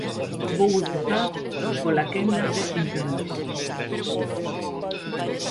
Vou empezar pola quenda de intervencións.